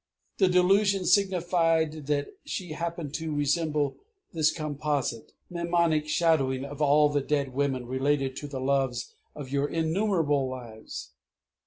The delusion signified that she happened to resemble this composite, mnemonic shadowing of all the dead women related to the loves of your innumerable lives.